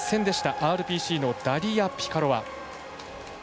ＲＰＣのダリア・ピカロワ。